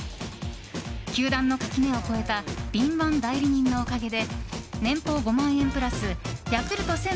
球団の垣根を越えた敏腕代理人のおかげで年俸５万円プラスヤクルト１０００